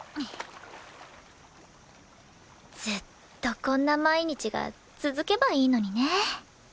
ずっとこんな毎日が続けばいいのにね。